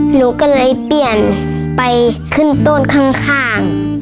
หนูก็เลยเปลี่ยนไปขึ้นต้นข้าง